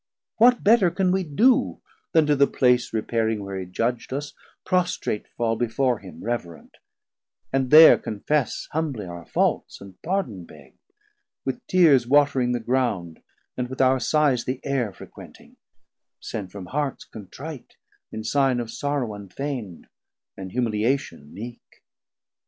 What better can we do, then to the place Repairing where he judg'd us, prostrate fall Before him reverent, and there confess Humbly our faults, and pardon beg, with tears Watering the ground, and with our sighs the Air 1090 Frequenting, sent from hearts contrite, in sign Of sorrow unfeign'd, and humiliation meek.